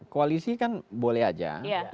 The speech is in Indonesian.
koalisi kan boleh aja